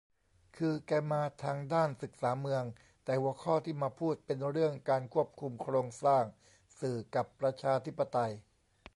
คือแกมาทางด้านศึกษาเมือง แต่หัวข้อที่มาพูดเป็นเรื่องการควบคุมโครงสร้างสื่อกับประชาธิปไตย